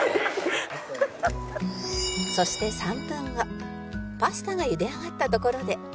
そして３分後パスタがゆで上がったところで